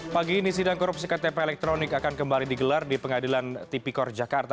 pagi ini sidang korupsi ktp elektronik akan kembali digelar di pengadilan tipikor jakarta